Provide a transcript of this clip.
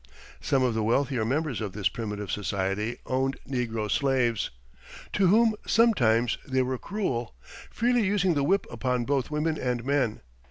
Some of the wealthier members of this primitive society owned negro slaves, to whom, sometimes, they were cruel, freely using the whip upon both women and men.